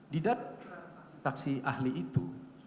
tidak taksi ahli itu